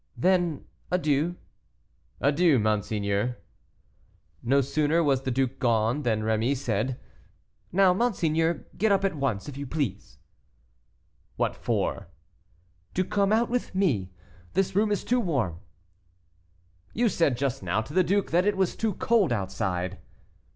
"Then adieu." "Adieu, monseigneur." No sooner was the duke gone than Rémy said, "Now, monsieur, get up at once, if you please." "What for?" "To come out with me. This room is too warm." "You said just now to the duke that it was too cold outside."